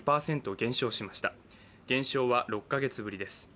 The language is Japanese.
減少は６か月ぶりです。